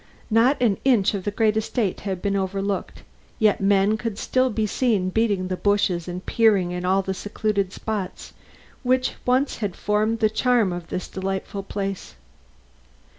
Not an inch of the great estate had been overlooked, yet men could still be seen beating the bushes and peering into all the secluded spots which once had formed the charm of this delightful place.